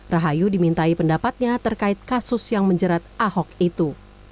rahayu dimintai pendapatnya terkait kasus yang menjerat ahok itu